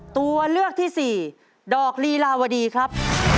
ตัวเลือกที่สี่ดอกลีลาวดีครับ